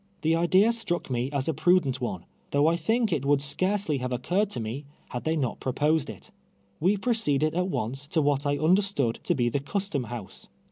Tlie idea struck me as a prudent one, though I think it would scarcely have occurred to me, had they not proposed it. "We proceeded at once to what I un derstood to be the Custom House.